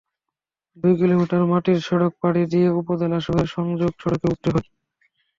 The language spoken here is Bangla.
দুই কিলোমিটার মাটির সড়ক পাড়ি দিয়ে উপজেলা শহরের সংযোগ সড়কে উঠতে হয়।